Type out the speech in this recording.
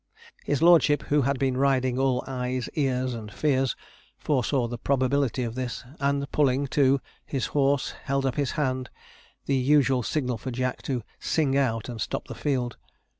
His lordship, who had been riding all eyes, ears, and fears, foresaw the probability of this; and pulling to his horse, held up his hand, the usual signal for Jack to 'sing out' and stop the field.